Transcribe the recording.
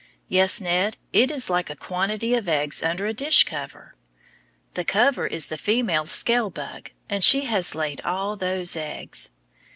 Yes, Ned; it is like a quantity of eggs under a dish cover. The cover is the female scale bug, and she has laid all those eggs.